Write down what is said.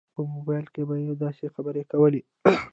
په موبایل کې به یې داسې خبرې کولې.